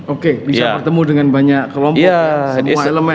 oke bisa bertemu dengan banyak kelompok semua elemen